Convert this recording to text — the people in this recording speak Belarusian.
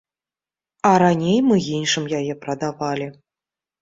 А раней мы іншым яе прадавалі.